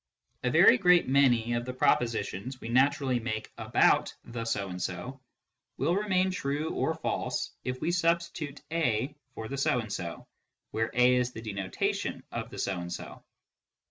A very great many of the propositions we naturally make about " the p 230 MYSTICISM AND LOGIC so and so " will remain true or remain false if we sub stitute a for " the so and so," where a is the denotation of " the so and so."